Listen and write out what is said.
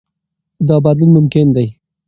دا بدلون ممکن دی.